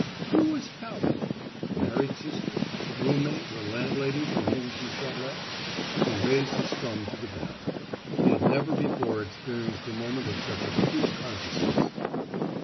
Who was Talbot? Married sister, roommate or landlady from whom she sublet? He raised his thumb to the bell. He had never before experienced a moment of such acute consciousness.